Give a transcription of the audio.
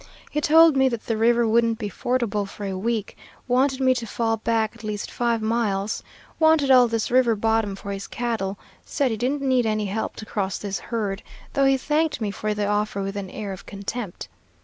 He told me that the river wouldn't be fordable for a week; wanted me to fall back at least five miles; wanted all this river bottom for his cattle; said he didn't need any help to cross his herd, though he thanked me for the offer with an air of contempt.